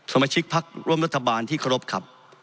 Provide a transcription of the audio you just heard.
สมาชิกพักร่วมรัฐบาลที่เคารพครับ